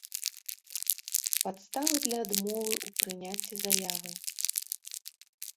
Падставы для адмовы ў прыняццi заявы